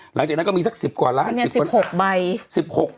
หลังจากนั้นก็มีสัก๑๐กว่าล้านจริงค่ะนี่๑๖ใบ